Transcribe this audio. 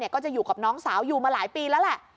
ก็จะอยู่กับน้องสาวอยู่มาหลายปีแล้วแหละ